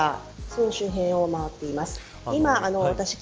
その周辺を回っています。